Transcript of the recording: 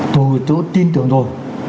tôi đối tin tưởng rồi